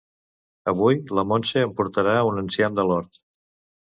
Avui la Montse em portarà un enciam de l'hort